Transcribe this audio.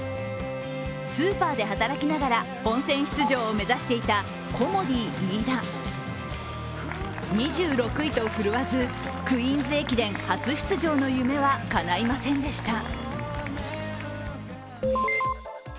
スーパーで働きながら本戦出場を目指していたコモディイイダ２６位と振るわず、クイーンズ駅伝初出場の夢はかないませんでした。